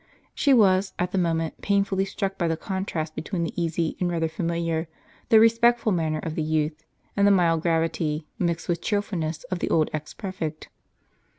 She was, at that moment, painfully struck by the contrast between the easy and rather familiar, though respectful, manner of the youth, and the mild gravity, mixed with cheerfulness, of the old ex prefect.